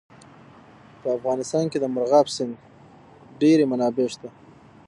په افغانستان کې د مورغاب سیند ډېرې منابع شته.